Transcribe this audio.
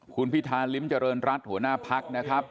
คุณพิธาริมเจริญรัฐหัวหน้าพักนะครับ